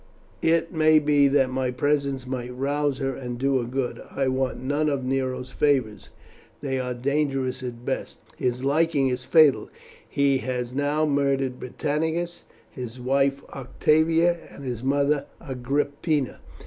It may be that my presence might rouse her and do her good. I want none of Nero's favours; they are dangerous at best. His liking is fatal. He has now murdered Britannicus, his wife Octavia, and his mother Agrippina.